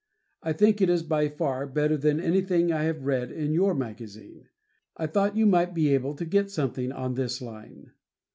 I think it is by far better than anything I have read in your magazine. I thought you might be able to get something on this line.